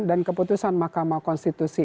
dan keputusan makamah konstitusi